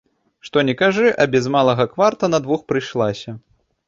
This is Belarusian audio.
Што ні кажы, а без малага кварта на двух прыйшлася.